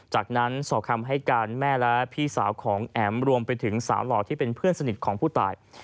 จากนั้นสอบคำให้การแม่และพี่สาวของแอ๋มรวมไปถึงสาวหล่อที่เป็นเพื่อนสนิทของผู้ตาย